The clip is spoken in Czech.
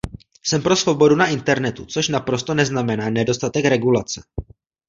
Jsem pro svobodu na internetu, což naprosto neznamená nedostatek regulace.